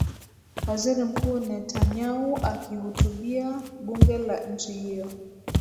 waziri mkuu netanyau akihutibia bunge la nchi hiyo